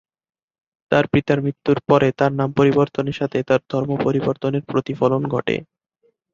তার পিতার মৃত্যুর পরে তার নাম পরিবর্তনের সাথে তার ধর্ম পরিবর্তনের প্রতিফলন ঘটে।